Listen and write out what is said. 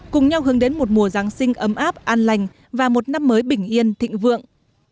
cùng nhau hướng đến một mùa giáng sinh ấm áp an lành và một năm mới bình yên thịnh vượng